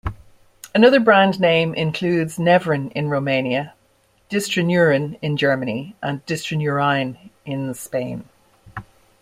Another brand name includes Nevrin in Romania, Distraneurin in Germany and Distraneurine in Spain.